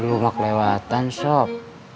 lu mah kelewatan sob